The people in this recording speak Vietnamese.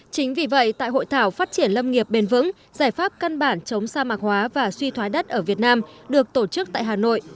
chính vì vậy tại hội thảo phát triển lâm nghiệp bền vững giải pháp căn bản chống sa mạc hóa và suy thoái đất ở việt nam được tổ chức tại hà nội